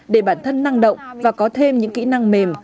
để bản thân năng động và có thêm những kỹ năng mềm